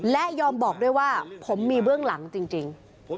และยอมบอกด้วยว่าผมมีเบื้องหลังจริง